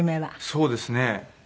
そうですね。